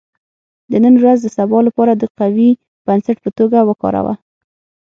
• د نن ورځ د سبا لپاره د قوي بنسټ په توګه وکاروه.